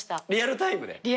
リアルタイムで？